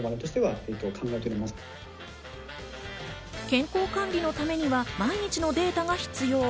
健康管理のためには毎日のデータが必要。